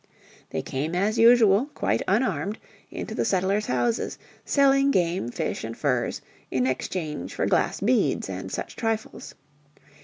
They came as usual, quite unarmed, into the settlers' houses, selling game, fish and furs in exchange for glass beads and such trifles.